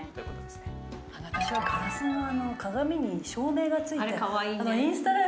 私はガラスの鏡に照明がついて。